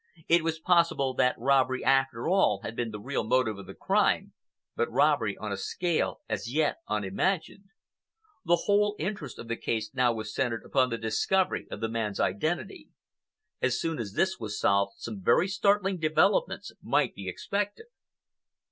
It was possible that robbery, after all, had been the real motive of the crime, but robbery on a scale as yet unimagined. The whole interest of the case now was centred upon the discovery of the man's identity. As soon as this was solved, some very startling developments might be expected.